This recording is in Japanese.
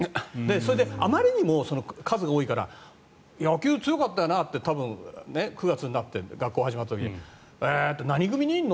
それであまりにも数が多いから野球、強かったよなって９月になって学校始まった時に何組にいるの？